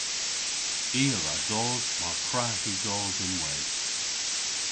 I a wra dos mar kwra hi dos ynwedh.